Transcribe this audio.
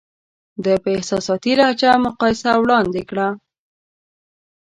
ده په احساساتي لهجه مقایسه وړاندې کړه.